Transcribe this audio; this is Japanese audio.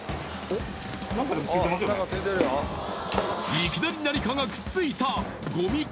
いきなり何かがくっついたゴミか？